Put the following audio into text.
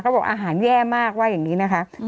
บอกอาหารแย่มากว่าอย่างนี้นะคะ